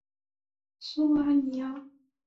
苏阿尼阿。